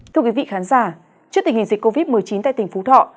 thưa quý vị khán giả trước tình hình dịch covid một mươi chín tại tỉnh phú thọ